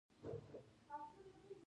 غزني د افغانستان د بڼوالۍ برخه ده.